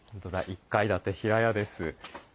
１階建て平屋です。